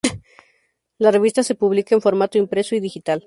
La revista se publica en formato impreso y digital.